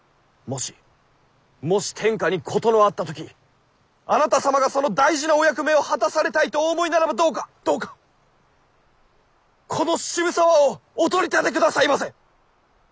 もしもし天下に事のあった時あなた様がその大事なお役目を果たされたいとお思いならばどうかどうかこの渋沢をお取り立てくださいませ！